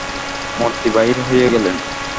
মন্ত্রী বাহির হইয়া গেলেন।